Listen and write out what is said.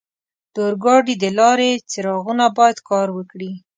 د اورګاډي د لارې څراغونه باید کار وکړي.